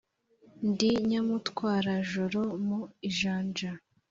Ndi Nyamutwarajoro mu ijanja,